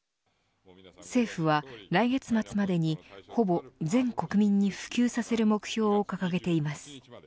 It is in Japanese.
政府は来月末までにほぼ全国民に普及させる目標を掲げています。